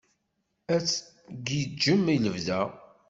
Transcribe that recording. Ad tgiǧǧem i lebda?